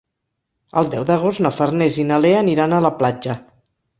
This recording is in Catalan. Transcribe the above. El deu d'agost na Farners i na Lea aniran a la platja.